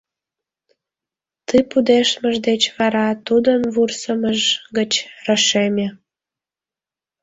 Ты пудештмыж деч вара тудын вурсымыж гыч рашеме: